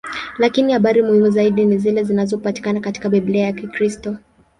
Lakini habari muhimu zaidi ni zile zinazopatikana katika Biblia ya Kikristo.